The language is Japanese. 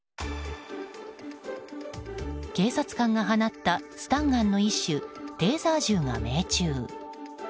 警察官が放ったスタンガンの一種テーザー銃が命中。